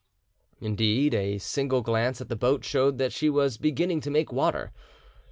Indeed, a single glance at the boat showed that she was beginning to make water.